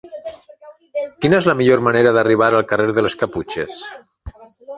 Quina és la millor manera d'arribar al carrer de les Caputxes?